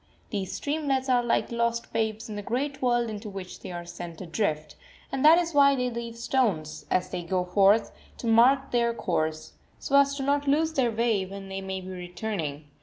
These streamlets are like lost babes in the great world into which they are sent adrift, and that is why they leave stones, as they go forth, to mark their course, so as not to lose their way when they may be returning.